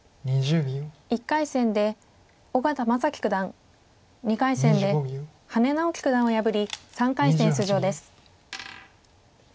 １回戦で小県真樹九段２回戦で羽根直樹九段を破り３回戦出場です。